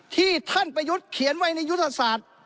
ที่ท่านประยุทธ์เขียนไว้ในยุทธศาสตร์